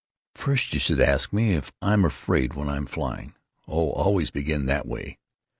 First you should ask me if I'm afraid when I'm flying. Oh, always begin that way.